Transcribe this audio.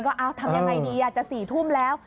ก็ทำยังไงดีจะ๔ทุ่มแล้ว